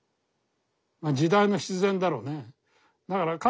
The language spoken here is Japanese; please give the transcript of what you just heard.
時代の必然だろうね。